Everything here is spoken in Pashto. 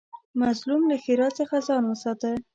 مظلوم له ښېرا څخه ځان وساته